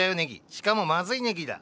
しかもまずいネギだ。